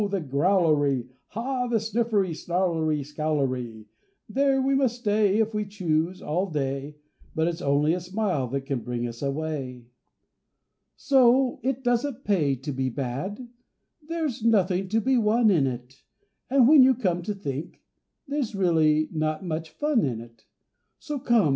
the Growlery! Ha! the Sniffery, Snarlery, Scowlery! There we may stay, If we choose, all day; But it's only a smile that can bring us away. So it doesn't pay to be bad,— There's nothing to be won in it; And when you come to think, There's really not much fun in it. So, come!